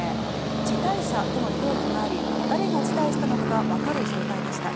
辞退者との表記があり誰が辞退したのかがわかる状況でした。